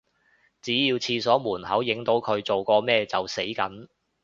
只要廁所門口影到佢做過咩就死梗